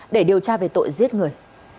để điều tra về tội giết người